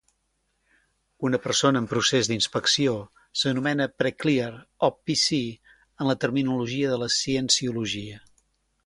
Una persona en procés d'inspecció s'anomena "pre-clear" o "pc" en la terminologia de la cienciologia.